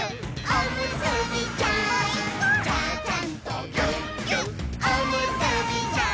「ちゃちゃんとぎゅっぎゅっおむすびちゃん」